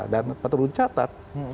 dan patut dicatat